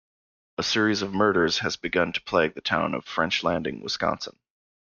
A series of murders has begun to plague the town of French Landing, Wisconsin.